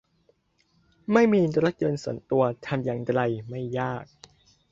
ไม่มีรถยนต์ส่วนตัวทำอย่างไรไม่ยาก